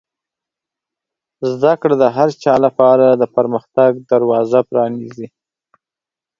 زده کړه د هر چا لپاره د پرمختګ دروازه پرانیزي.